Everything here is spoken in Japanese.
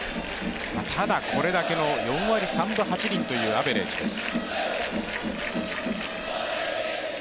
ただ、これだけの４割３分８厘というアベレージです。